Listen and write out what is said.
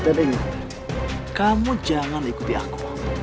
dan ingat kamu jangan ikuti aku